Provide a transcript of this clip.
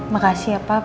makasih ya pak